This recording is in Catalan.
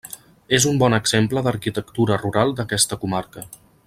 És un bon exemple d'arquitectura rural d'aquesta comarca.